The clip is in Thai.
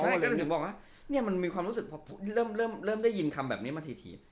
ใช่ก็ถึงบอกว่ามันมีความรู้สึกพอเริ่มได้ยินคำแบบนี้มาที